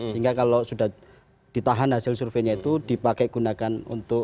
sehingga kalau sudah ditahan hasil surveinya itu dipakai gunakan untuk